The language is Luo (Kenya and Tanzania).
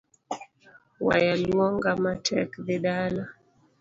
Waya luonga matek.dhi dala.